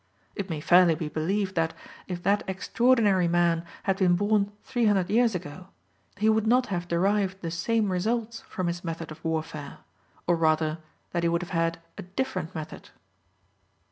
It may fairly be believed that, if that extraordinary man had been born three hundred years ago, he would not have derived the same results from his method of warfare, or, rather, that he would have had a different method.